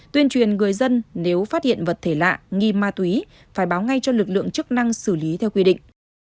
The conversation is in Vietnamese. tuyên truyền người dân nếu phát hiện vật thể lạ nghi ma túy phải báo ngay cho lực lượng chức năng xử lý theo quy định